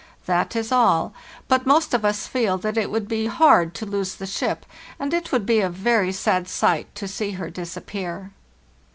That is all; but most of us feel that it would be hard to lose the ship, and it would be a very sad sight to see her dis appear.